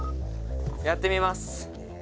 「やってみます」